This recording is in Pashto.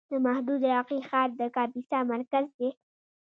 د محمود راقي ښار د کاپیسا مرکز دی